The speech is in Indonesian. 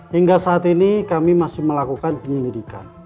hingga saat ini kami masih melakukan penyelidikan